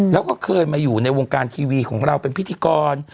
แล้วก็เคยมาอยู่ในวงการทีวีของเราเป็นพิธีกร